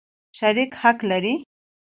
شریک حق لري.